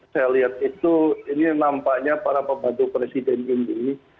saya lihat itu ini nampaknya para pembantu presiden ini